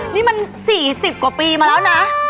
นี่มัน๔๐กว่าปีมาแล้วนะ